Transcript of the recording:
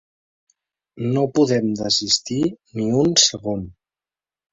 No podem desistir ni un segon.